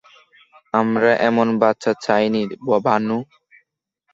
আমরা এমন বাচ্চা চাইনি, ভানু।